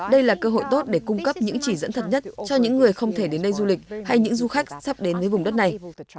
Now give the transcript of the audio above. đây là cơ hội tốt để cung cấp những chỉ dẫn thật nhất cho những người không thể đến đây du lịch hay những du khách sắp đến với vùng đất này